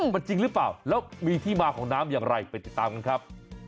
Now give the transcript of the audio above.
มันจริงหรือเปล่าแล้วมีที่มาของน้ำอย่างไรไปติดตามกันครับ